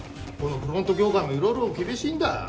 フロント業界もいろいろ厳しいんだよ。